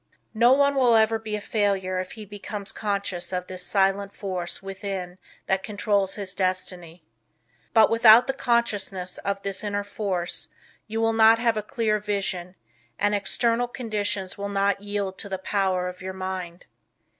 No one will ever be a failure if he becomes conscious of this silent force within that controls his destiny. But without the consciousness of this inner force, you will not have a clear vision, and external conditions will not yield to the power of your mind.